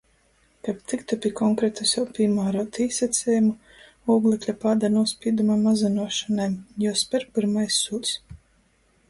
Kab tyktu pi konkretu sev pīmāruotu īsacejumu ūglekļa pāda nūspīduma mazynuošonai, juosper pyrmais sūļs.